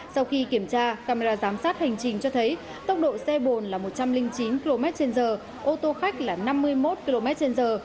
sau khi kiểm tra camera giám sát hành trình cho thấy tốc độ xe bồn là một trăm linh chín km trên giờ ô tô khách là năm mươi một km trên giờ